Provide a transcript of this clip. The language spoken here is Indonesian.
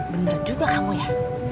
bener juga kamu ya